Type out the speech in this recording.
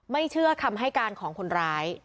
เชื่อคำให้การของคนร้าย